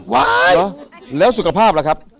เห้ยยยยแล้วสุขภาพล่ะครับ